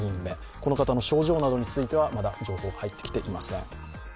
この方の症状などについてはまだ情報が入ってきていません。